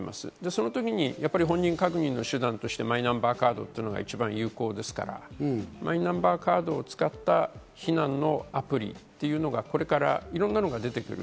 その時に本人確認の手段としてマイナンバーカードっていうのが一番有効ですから、マイナンバーカードを使った避難のアプリというのがこれからいろ